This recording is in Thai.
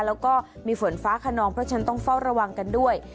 แล้วก็มีฝนฟ้าขนองเพราะฉะนั้นต้องเฝ้าระวังกันด้วย